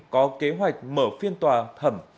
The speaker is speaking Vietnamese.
có kế hoạch mở phiên tòa thẩm